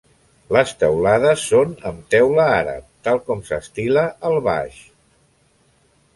Les teulades són amb teula àrab, tal com s'estila al Baix.